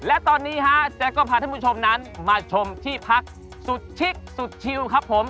และตอนนี้ฮะแจ๊กก็พาท่านผู้ชมนั้นมาชมที่พักสุดชิคสุดชิวครับผม